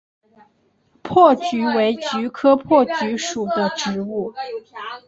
珀菊为菊科珀菊属的植物。